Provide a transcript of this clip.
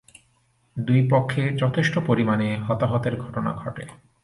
দুই পক্ষে যথেষ্ট পরিমাণে হতাহতের ঘটনা ঘটে।